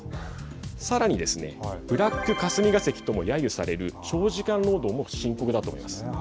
さらにですねブラック霞が関ともやゆされる長時間労働も深刻だと思います。